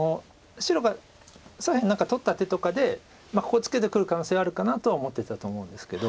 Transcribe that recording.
白が左辺何か取った手とかでここツケてくる可能性はあるかなとは思ってたと思うんですけど。